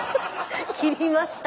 切りました。